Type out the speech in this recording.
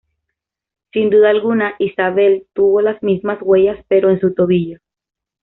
Sin duda alguna, Isabelle tuvo las mismas huellas pero en su tobillo.